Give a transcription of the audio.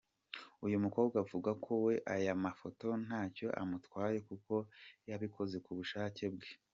Uyu mukobwa avuga ko we aya mafoto ntacyo amutwaye kuko yabikoze ku bushake bwe.